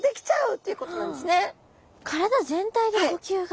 体全体で呼吸が？